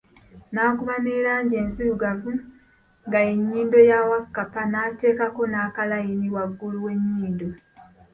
Naakuba ne langi enzirugavu nga ye nyindo ya Wakkapa naatekako naakalayini wagulu we nyindo.